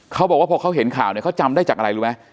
เขาบอกว่าพอเขาเห็นข่าวเนี่ยเขาจำได้จากอะไรรู้ไหม